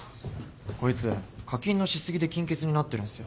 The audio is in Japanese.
こいつ課金のし過ぎで金欠になってるんすよ。